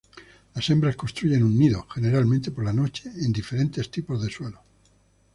Las hembras construyen un nido, generalmente por la noche, en diferentes tipos de suelo.